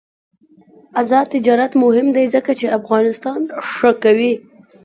آزاد تجارت مهم دی ځکه چې افغانستان ښه کوي.